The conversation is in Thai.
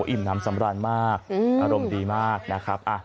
อิ่มน้ำสำราญมากอารมณ์ดีมากนะครับ